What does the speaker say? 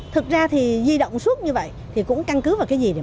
thực ra thì di động suốt như vậy thì cũng căn cứ vào cái gì